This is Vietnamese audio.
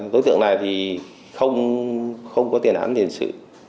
đối tượng này thì không có tiền án tiền sự